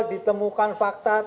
ditemukan fakta tidak